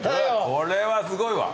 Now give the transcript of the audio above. これはすごいわ。